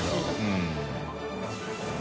うん。